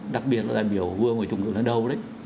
đặc biệt là đại biểu vừa mới trụng được lên đầu đấy